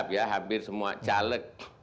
ya hampir semua caleg